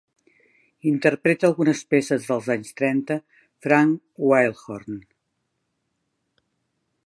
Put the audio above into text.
Interpreta algunes peces dels anys trenta Frank Wildhorn